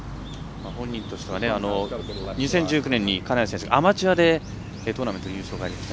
本人としては２０１９年に金谷選手アマチュアでトーナメント優勝がありました。